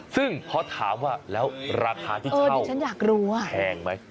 ซึ่งพอถามว่าแล้วราคาที่เช่าแพงไหม